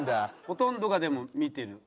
ほとんどがでも見てる。